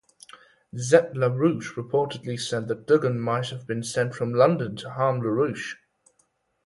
Zepp-LaRouche reportedly said that Duggan might have been sent from London to harm LaRouche.